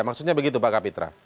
maksudnya begitu pak kapitra